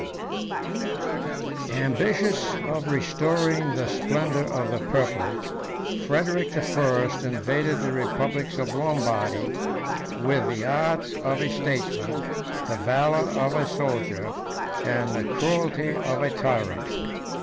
] Ambitious of restoring the splendor of the purple, Frederic the First invaded the republics of Lombardy, with the arts of a statesman, the valor of a soldier, and the cruelty of a tyrant.